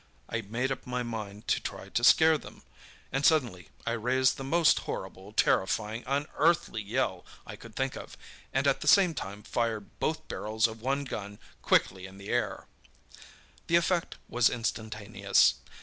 I made up my mind to try to scare them—and suddenly I raised the most horrible, terrifying, unearthly yell I could think of, and at the same time fired both barrels of one gun quickly in the air! "The effect was instantaneous.